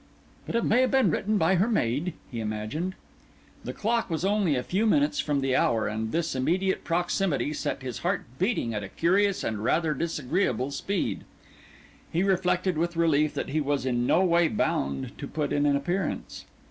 "But it may have been written by her maid," he imagined. The clock was only a few minutes from the hour, and this immediate proximity set his heart beating at a curious and rather disagreeable speed. He reflected with relief that he was in no way bound to put in an appearance.